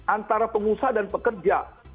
antara pengusaha dan pekerja